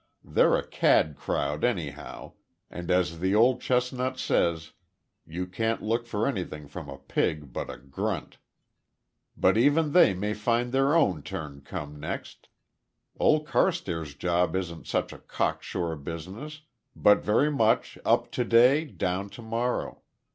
They're a cad crowd anyhow, and as the old chestnut says you can't look for anything from a pig but a grunt. But even they may find their own turn come next. Old Carstairs' job isn't such a cocksure business, but very much `up to day down to morrow.'